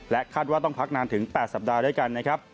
คาดว่าต้องพักนานถึง๘สัปดาห์ด้วยกันนะครับ